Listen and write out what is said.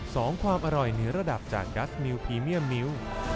สนุนโดย๒ความอร่อยเนื้อระดับจากกัสมิวพรีเมียมมิว